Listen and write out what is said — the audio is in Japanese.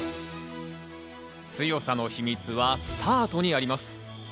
強さの秘密はスタートにあります。